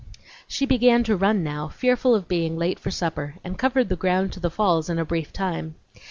She began to run now, fearful of being late for supper, and covered the ground to the falls in a brief time.